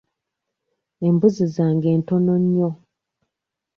Embuzi zange ntono nnyo.